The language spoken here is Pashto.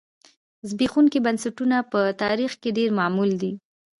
زبېښونکي بنسټونه په تاریخ کې ډېر معمول دي